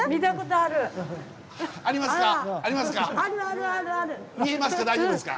ありますか？